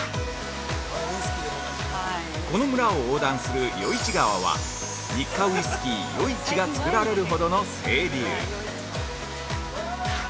この村を横断する余市川は、ニッカウヰスキー「余市」が造られるほどの清流。